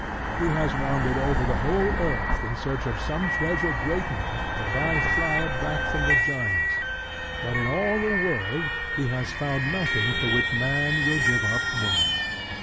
He has wandered over the whole earth in search of some treasure great enough to buy Freia back from the giants; but in all the world he has found nothing for which Man will give up Woman.